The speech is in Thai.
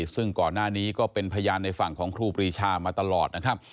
ซึ่งก่อนหน้านี้ก็เป็นพยานในฝั่งของครูปรีชามาตลอดนะครับ